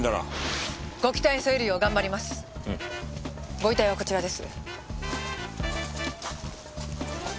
ご遺体はこちらです。